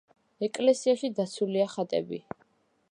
ეკლესიაში დაცულია ხატები.